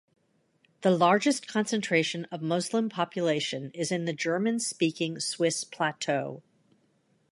The largest concentration of Muslim population is in the German speaking Swiss plateau.